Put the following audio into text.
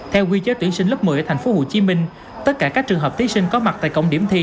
theo quy chế tuyển sinh lớp một mươi ở tp hcm tất cả các trường hợp thí sinh có mặt tại cộng điểm thi